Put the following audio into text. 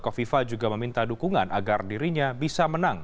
kofifa juga meminta dukungan agar dirinya bisa menang